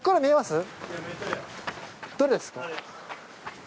どれですか？